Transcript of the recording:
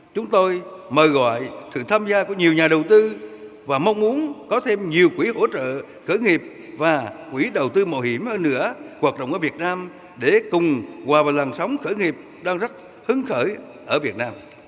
chúng tôi mời gọi sự tham gia của nhiều nhà đầu tư và mong muốn có thêm nhiều quỹ hỗ trợ khởi nghiệp và quỹ đầu tư mô hiểm ở nửa hoạt động ở việt nam để cùng hòa bà làng sống khởi nghiệp đang rất hứng khởi ở việt nam